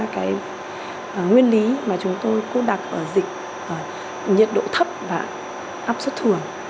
những nguyên lý mà chúng tôi cô đặc ở dịch nhiệt độ thấp và áp suất thường